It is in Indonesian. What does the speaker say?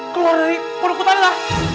keluar dari produk utara